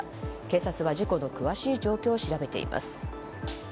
警察は事故の詳しい状況を調べています。